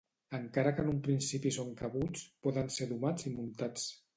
Encara que en un principi són cabuts, poden ser domats i muntats.